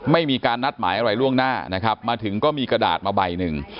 ไม่มีการนัดหมายอะไรล่วงหน้านะครับมาถึงก็มีกระดาษมาใบหนึ่ง